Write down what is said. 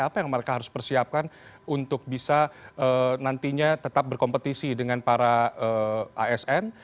apa yang mereka harus persiapkan untuk bisa nantinya tetap berkompetisi dengan para asn